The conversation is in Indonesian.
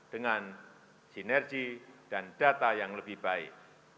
dengan sinergi dan data yang lebih baik